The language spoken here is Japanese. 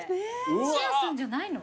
シェアすんじゃないの？